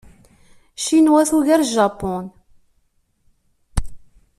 Ccinwa tugar Japun.